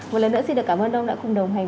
một lần nữa xin được cảm ơn ông đã cùng đồng hành